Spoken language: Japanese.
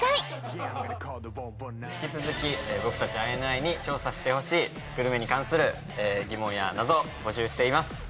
今回も引き続き僕たちＩＮＩに調査してほしいグルメに関する疑問や謎を募集しています